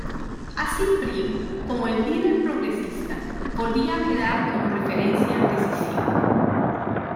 Así Prim, como el líder progresista, volvía a quedar como referencia decisiva.